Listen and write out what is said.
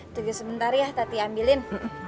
tunggu sebentar ya tati ambilin